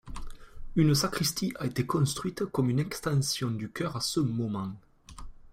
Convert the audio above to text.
Une sacristie a été construite comme une extension du chœur à ce moment.